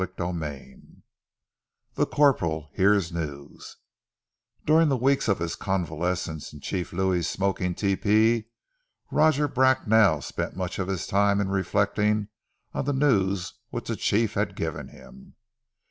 CHAPTER XVI THE CORPORAL HEARS NEWS DURING the weeks of his convalescence in Chief Louis' smoking tepee, Roger Bracknell spent much of his time in reflecting on the news which the chief had given him.